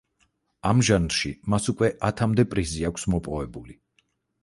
ამ ჟანრში მას უკვე ათამდე პრიზი აქვს მოპოვებული.